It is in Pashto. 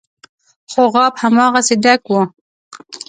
خو غاب هماغسې ډک و.